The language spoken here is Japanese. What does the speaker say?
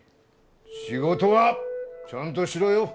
仕事はちゃんとしろよ！